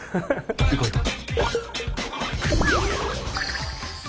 行こう行こう。